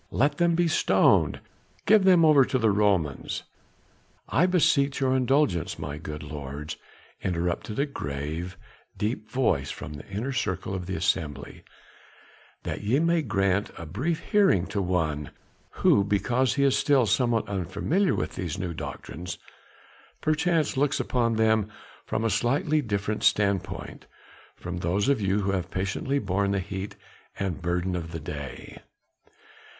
"Let them be stoned!" "Give them over to the Romans!" "I beseech your indulgence, my good lords!" interrupted a grave deep voice from the inner circle of the assembly, "that ye may grant a brief hearing to one, who because he is still somewhat unfamiliar with these new doctrines, perchance looks upon them from a slightly different standpoint from those of you who have patiently borne the heat and burden of the day."